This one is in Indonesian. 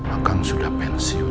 akang sudah pensiun